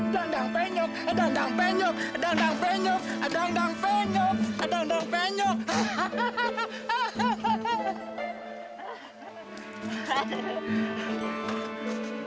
dandang penyok dandang penyok dandang penyok dandang penyok dandang penyok